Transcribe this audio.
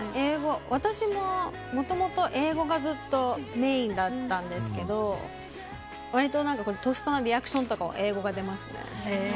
私も、もともと英語がずっとメインだったんですけど割ととっさのリアクションとかは英語が出ますね。